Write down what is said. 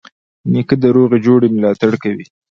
نیکه د روغي جوړې ملاتړ کوي.